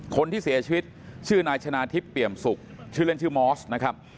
คนที่เสียชีวิตชื่อนายชนะทิพย์เปี่ยมสุขชื่อเล่นชื่อมอสนะครับ